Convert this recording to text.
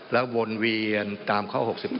แล้ววนเวียนตามข้อ๖๑